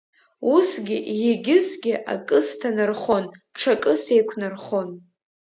Усгьы егьысгьы акы сҭанархон, ҽакы сеиқәнархон.